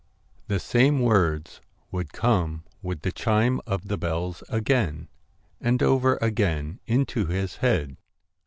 The same words would come with the chime of the bells again, and over again into his head.